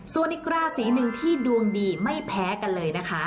ส่วนอีกราศีหนึ่งที่ดวงดีไม่แพ้กันเลยนะคะ